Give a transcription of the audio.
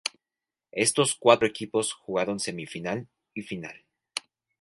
Estos cuatro equipos jugaron semifinal y final.